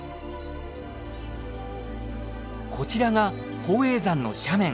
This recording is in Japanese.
こちらが宝永山の斜面。